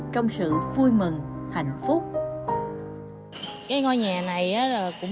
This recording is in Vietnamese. trong sự vui mừng hạnh phúc